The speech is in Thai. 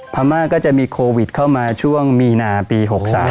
พม่าก็จะมีโควิดเข้ามาช่วงมีนาปี๖๓